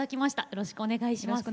よろしくお願いします。